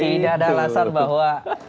tidak ada alasan bahwa